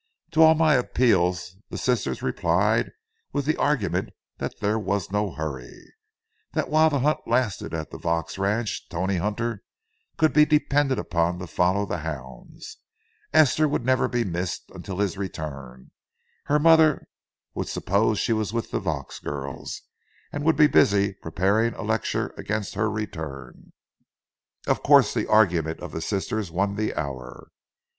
To all my appeals, the sisters replied with the argument that there was no hurry—that while the hunt lasted at the Vaux ranch Tony Hunter could be depended upon to follow the hounds; Esther would never be missed until his return; her mother would suppose she was with the Vaux girls, and would be busy preparing a lecture against her return. Of course the argument of the sisters won the hour.